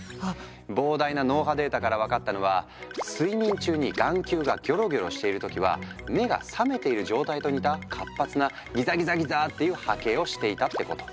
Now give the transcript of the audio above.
膨大な脳波データから分かったのは睡眠中に眼球がギョロギョロしている時は目が覚めている状態と似た活発なギザギザギザーっていう波形をしていたってこと。